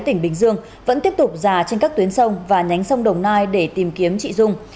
tỉnh bình dương vẫn tiếp tục già trên các tuyến sông và nhánh sông đồng nai để tìm kiếm chị dung